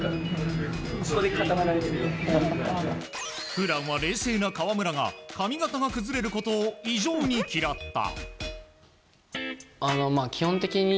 普段は冷静な河村が髪形が崩れることを異常に嫌った。